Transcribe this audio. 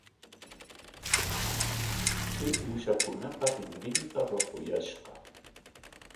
Chay uushakunapa rinrinta ruquyashqa.